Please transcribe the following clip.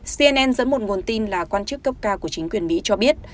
cnn dẫn một nguồn tin là quan chức cấp ca của chính quyền mỹ cho biết